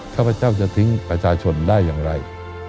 ข้าพเจ้าจะทิ้งประชาชนได้อย่างไร